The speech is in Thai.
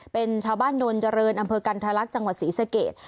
เป็นชาวบ้านนวลเจริญอำเภอกันทรลักษณ์จังหวัดศรีสเกต